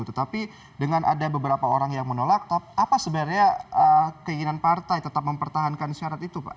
tetapi dengan ada beberapa orang yang menolak apa sebenarnya keinginan partai tetap mempertahankan syarat itu pak